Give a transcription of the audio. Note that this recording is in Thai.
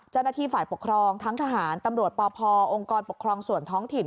เจ้าหน้าที่ฝ่ายปกครองทั้งทหารตำรวจปพองค์กรปกครองส่วนท้องถิ่น